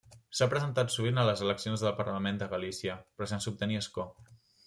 S'ha presentat sovint a les eleccions al Parlament de Galícia, però sense obtenir escó.